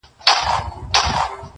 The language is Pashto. ډېر عمر ښه دی عجیبي وینو!